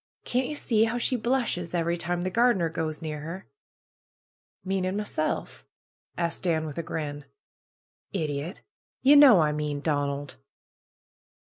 Can't ye see how she blushes every time the gardener goes near her!" "Meaning myself?" asked Dan with a grin. "Idiot! Ye know I mean Donald."